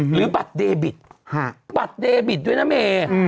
หรือบัตรเดบิตบัตรเดบิตด้วยนะเม